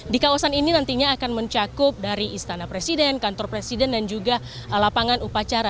di kawasan ini nantinya akan mencakup dari istana presiden kantor presiden dan juga lapangan upacara